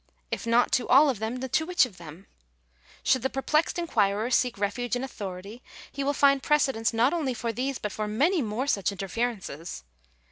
If not to all of them, to which of them ? Should the perplexed inquirer seek refuge in authority, he will find precedents not only for these but for many more such interferences.